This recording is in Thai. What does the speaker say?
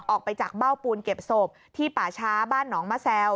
ออกไปจากเบ้าปูนเก็บศพที่ป่าช้าบ้านหนองมะแซว